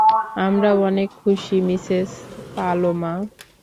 আমরাও অনেক খুশি, মিসেস পালোমা।